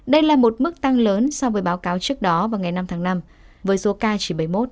đây là một mức tăng lớn so với báo cáo trước đó vào ngày năm tháng năm với số ca chỉ bảy mươi một